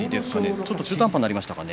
ちょっと中途半端になりましたかね。